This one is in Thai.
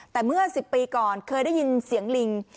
แต่เมื่อ๑๐ปีก่อนเคยได้ยินเสียงลิง